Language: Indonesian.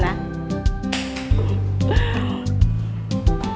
aku mau ke rumah